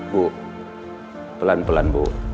bu pelan pelan bu